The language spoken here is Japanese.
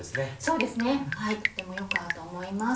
そうですねとてもよく合うと思います。